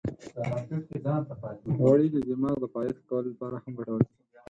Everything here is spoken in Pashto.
غوړې د دماغ د فعالیت ښه کولو لپاره هم ګټورې دي.